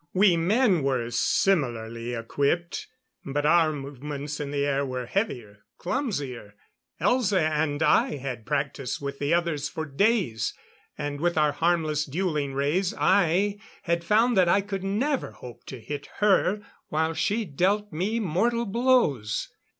We men were similarly equipped, but our movements in the air were heavier, clumsier. Elza and I had practiced with the others for days; and with our harmless duelling rays I had found that I could never hope to hit her while she dealt me mortal blows.